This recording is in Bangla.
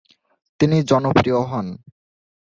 তিনি জনপ্রিয় হন।